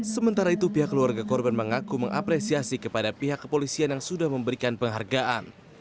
sementara itu pihak keluarga korban mengaku mengapresiasi kepada pihak kepolisian yang sudah memberikan penghargaan